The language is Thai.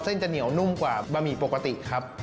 จะเหนียวนุ่มกว่าบะหมี่ปกติครับ